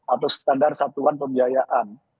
atau standar satuan pembiayaan